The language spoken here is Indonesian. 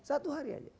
satu hari aja